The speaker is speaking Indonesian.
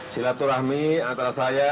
silaturahmi antara saya